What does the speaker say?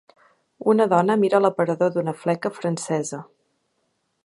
Una dona mira l'aparador d'una fleca francesa.